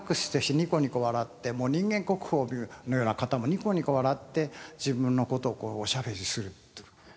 ニコニコ笑ってもう人間国宝のような方もニコニコ笑って自分の事をおしゃべりするって。